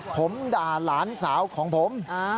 ผมด่าหลานสาวของผม